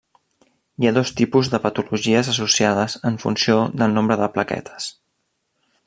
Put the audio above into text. Hi ha dos tipus de patologies associades en funció del nombre de plaquetes.